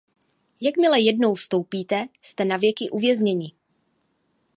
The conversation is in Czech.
Jakmile jednou vstoupíte, jste navěky uvězněni.